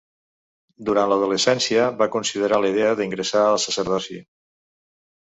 Durant l"adolescència, va considerar la idea d"ingressar al sacerdoci.